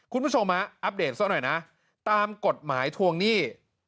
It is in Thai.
คุณผู้ชมอัปเดตซะหน่อยนะตามกฎหมายทวงหนี้